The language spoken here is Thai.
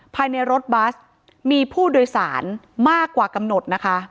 ภายในรถบัสมีผู้โดยสารมากกว่ากำหนดนะคะ